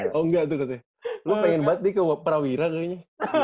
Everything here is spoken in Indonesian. oh enggak tuh katanya lu pengen banget nih ke prawira kayaknya